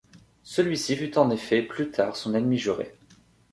Celui-ci fut en effet plus tard son ennemi juré.